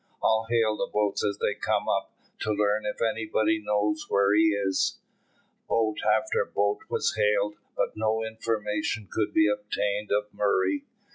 "I'll hail the boats as they come up, to learn if anybody knows where he is." Boat after boat was hailed, but no information could be obtained of Murray.